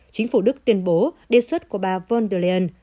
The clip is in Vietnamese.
chính phủ đức tuyên bố đề xuất của bà von der leyen